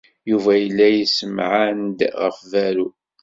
Yuba yella yessemɛan-d ɣef berru.